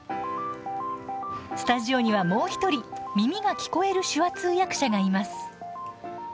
スタジオにはもう１人耳が聞こえる手話通訳者がいます。